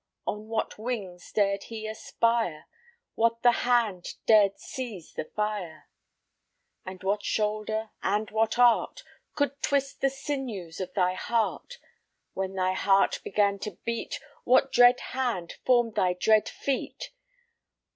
On what wings dared he aspire? What the hand dared seize the fire? And what shoulder, and what art, Could twist the sinews of thy heart? When thy heart began to beat, What dread hand formed thy dread feet?